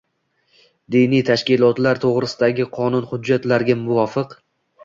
diniy tashkilotlar to’g`risidagi qonun hujjatlariga muvofiq